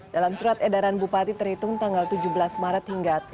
dalam surat edaran bupati terhitung tanggal tujuh maret